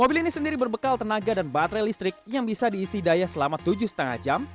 mobil ini sendiri berbekal tenaga dan baterai listrik yang bisa diisi daya selama tujuh lima jam